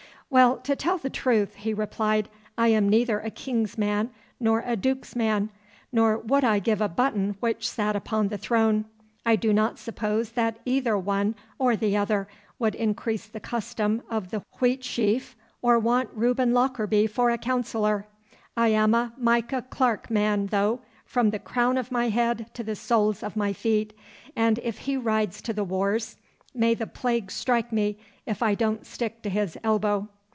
'Well, truth to tell,' he replied, 'I am neither a king's man nor a duke's man, nor would I give a button which sat upon the throne. I do not suppose that either one or the other would increase the custom of the Wheatsheaf, or want Reuben Lockarby for a councillor. I am a Micah Clarke man, though, from the crown of my head to the soles of my feet; and if he rides to the wars, may the plague strike me if I don't stick to his elbow!